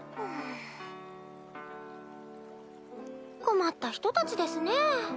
困った人たちですね。